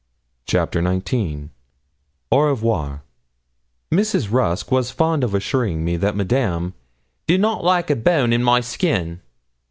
CHAPTER XIX AU REVOIR Mrs. Rusk was fond of assuring me that Madame 'did not like a bone in my skin.'